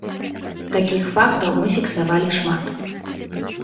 Такіх фактаў мы фіксавалі шмат.